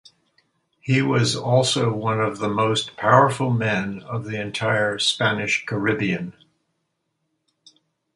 He was also one of the most powerful men of the entire Spanish Caribbean.